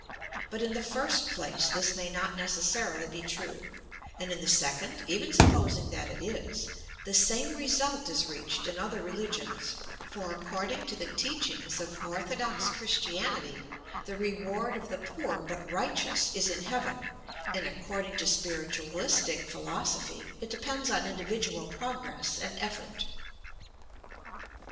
But, in the first place this may not necessarily be true ; and in the second, even supposing that it is, the same result is reached in other religions, for according to the teachings of ortho dox Christianity the reward of the poor but righteous is in Heaven, and according to spiritualistic philosophy it depends on individual progress and effort.